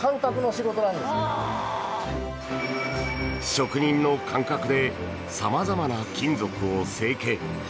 職人の感覚で様々な金属を成形。